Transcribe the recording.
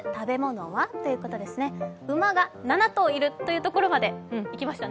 馬が７頭いるというところまでいきましたね。